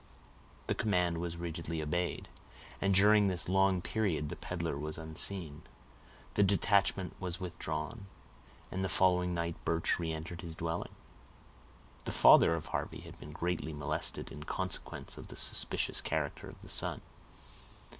The command was rigidly obeyed, and during this long period the peddler was unseen; the detachment was withdrawn, and the following night Birch reentered his dwelling. The father of Harvey had been greatly molested, in consequence of the suspicious character of the son.